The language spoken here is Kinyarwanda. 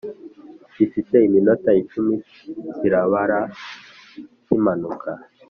gifite iminota icumi kirabara kimanuka